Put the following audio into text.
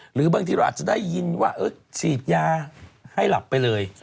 หรือบางทีเราอาจจะได้ยินว่าฉีดยาให้หลับไปเลย